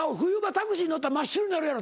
タクシー乗ったら真っ白になるやろ？